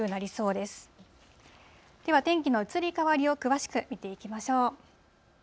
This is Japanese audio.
では、天気の移り変わりを詳しく見ていきましょう。